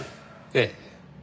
ええ。